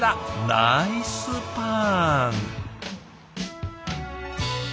ナイスパン。